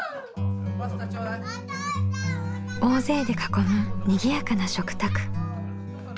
大勢で囲むにぎやかな食卓。